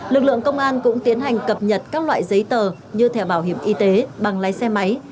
lực lượng công an cũng tiến hành cập nhật các loại giấy tờ như thẻ bảo hiểm y tế bằng lái xe máy